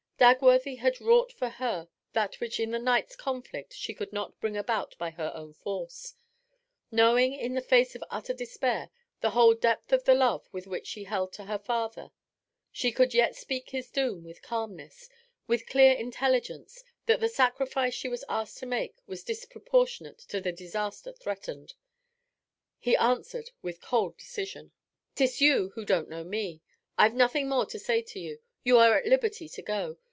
Dagworthy had wrought for her that which in the night's conflict she could not bring about by her own force; knowing, in the face of utter despair, the whole depth of the love with which she held to her father, she could yet speak his doom with calmness, with clear intelligence that the sacrifice she was asked to make was disproportionate to the disaster threatened. He answered with cold decision. 'It's you who don't know me. I've nothing more to say to you; you are at liberty to go.